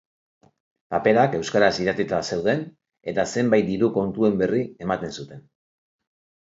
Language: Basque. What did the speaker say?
Paperak euskaraz idatzita zeuden eta zenbait diru kontuen berri ematen zuten.